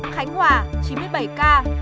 khánh hòa chín mươi bảy ca